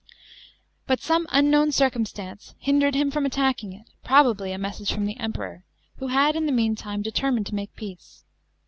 But some unknown circumstance hindered him from attacking it — probably a message from the p]mperor, who had in the meantime determined to make peace.